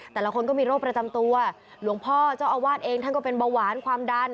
แต่ละคนก็มีโรคประจำตัวหลวงพ่อเจ้าอาวาสเองท่านก็เป็นเบาหวานความดัน